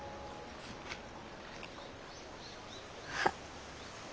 あっ。